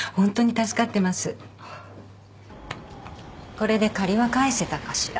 これで借りは返せたかしら？